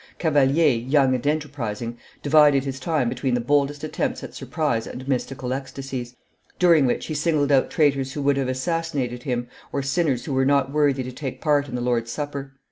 Cavalier, young and enterprising, divided his time between the boldest attempts at surprise and mystical ecstasies, during which he singled out traitors who would have assassinated him or sinners who were not worthy to take part in the Lord's Supper.